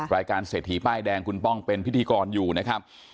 รายการเศรษฐีป้ายแดงคุณป้องเป็นพิธีกรอยู่นะครับ